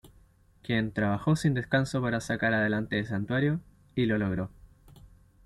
Quien trabajó sin descanso para sacar adelante el santuario, y lo logró.